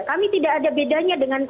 kami tidak ada bedanya dengan